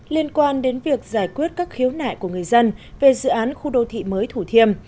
liên quan đến việc giải quyết các khiếu nại của người dân về dự án khu đô thị mới thủ thiêm